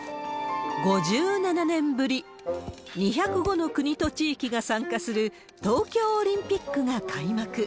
５７年ぶり、２０５の国と地域が参加する東京オリンピックが開幕。